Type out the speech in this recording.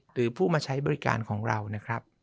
หรือผู้มาใช้บริการของเรานะครับ